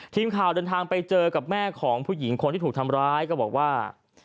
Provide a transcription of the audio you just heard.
ทีมข่าวเดินทางไปเจอกับแม่ของผู้หญิงคนที่ถูกทำร้ายก็บอกว่า